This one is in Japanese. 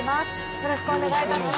よろしくお願いします。